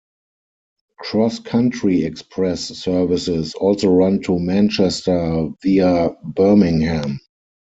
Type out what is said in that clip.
CrossCountry express services also run to Manchester via Birmingham.